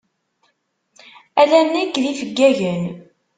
Ala nekk d yifeggagen.